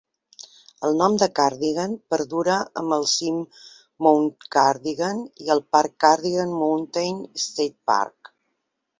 El nom de Cardigan perdura amb el cim Mount Cardigan i el parc Cardigan Mountain State Park.